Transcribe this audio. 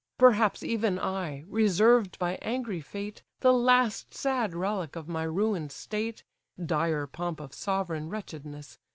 Perhaps even I, reserved by angry fate, The last sad relic of my ruin'd state, (Dire pomp of sovereign wretchedness!)